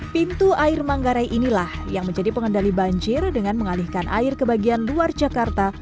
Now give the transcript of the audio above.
pintu air manggarai inilah yang menjadi pengendali banjir dengan mengalihkan air ke bagian luar jakarta